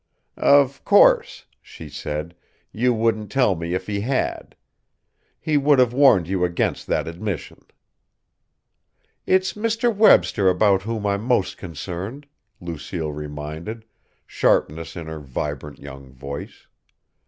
"Of course," she said; "you wouldn't tell me if he had. He would have warned you against that admission." "It's Mr. Webster about whom I am most concerned," Lucille reminded, sharpness in her vibrant young voice.